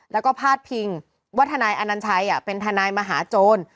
แล้วก็พาดพิงว่าทนายอนัญชัยเป็นทนายมหาโจร